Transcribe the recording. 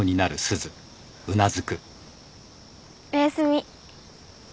おやすみ。